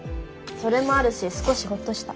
それもあるし少しほっとした。